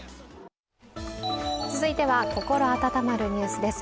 続いては、心温まるニュースです